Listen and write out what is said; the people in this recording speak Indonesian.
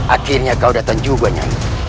akhirnya kau datang juga nyanyi